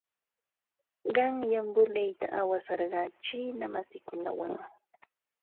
Qanyan voleyta awasarqaa chiina masiikunawan.